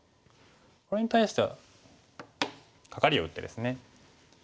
これに対してはカカリを打ってですね。